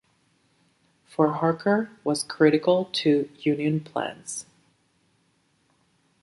Fort Harker was critical to Union plans.